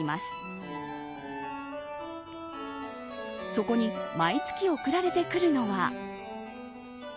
そこに毎月送られてくるのは。